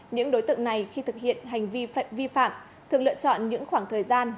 những đối tượng này khi thực hiện hành vi vi phạm thường lựa chọn những khoảng thời gian